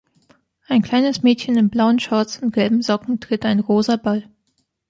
Ein kleines Mädchen in blauen Shorts und gelben Socken tritt einen rosa Ball.